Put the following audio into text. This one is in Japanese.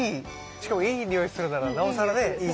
しかもいいにおいするならなおさらねいいですよね。